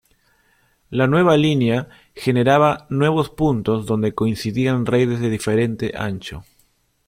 La nueva línea generaba nuevos puntos donde coincidían redes de diferente ancho.